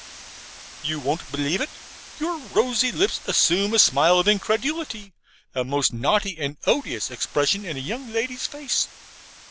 You won't believe it? Your rosy lips assume a smile of incredulity a most naughty and odious expression in a young lady's face.